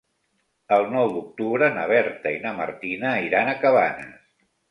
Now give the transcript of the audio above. El nou d'octubre na Berta i na Martina iran a Cabanes.